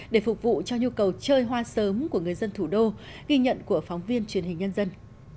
để phục vụ cho nhu cầu chơi hoa sớm của người dân thủ đô ghi nhận của phóng viên truyền hình nhân dân